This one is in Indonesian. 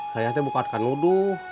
saya aja bukan kanuduh